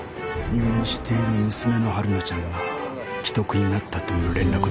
入院している娘の春菜ちゃんが危篤になったという連絡だった。